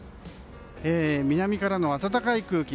南からの暖かい空気